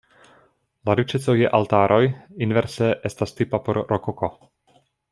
La riĉeco je altaroj inverse estas tipa por rokoko.